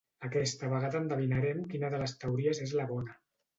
Aquesta vegada endevinarem quina de les teories és la bona.